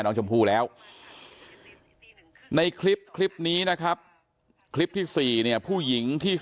น้องชมพู่แล้วในคลิปคลิปนี้นะครับคลิปที่๔เนี่ยผู้หญิงที่